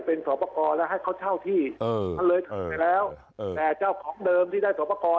แต่ต้องกรรมการสอบเจ้านาธิสวปกร